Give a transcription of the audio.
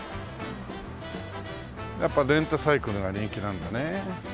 やっぱレンタサイクルが人気なんだね。